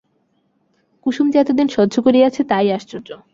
কুসুম যে এতদিন সহ্য করিয়াছে তাই আশ্চর্য।